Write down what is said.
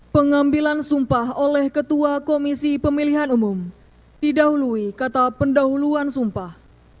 pengambilan sumpah oleh ketua komisi pemilihan umum didahului kata pendahuluan sumpah